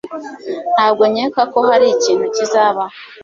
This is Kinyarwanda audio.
Ntabwo nkeka ko hari ikintu kizabaho